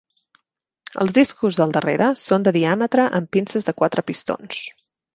Els discos del darrere són de diàmetre amb pinces de quatre pistons